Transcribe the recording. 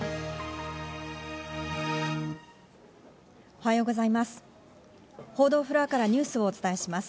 おはようございます。